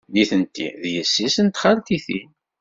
Nitenti d yessi-s n txaltitin.